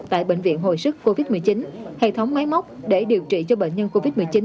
tại bệnh viện hồi sức covid một mươi chín hệ thống máy móc để điều trị cho bệnh nhân covid một mươi chín